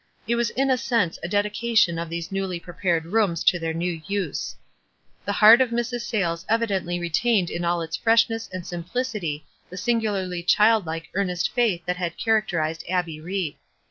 It was in a sense a ded ication of these newly prepared rooms to their new use. The heart of Mrs. Sayles evidently retained in all its freshness and simplicity the singularly childlike earnest faith that had char acterized Abbic Ried.